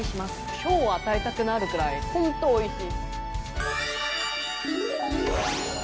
賞を与えたくなるくらいほんと、おいしい。